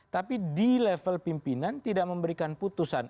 tapi di level pimpinan tidak memberikan putusan